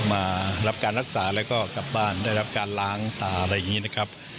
มารับการรักษาแล้วก็กลับบ้านได้รับการล้างตาอะไรอย่างนี้นะครับ